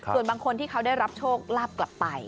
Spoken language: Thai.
ส่วนบางคนที่เขาได้รับโชคลาภกลับไป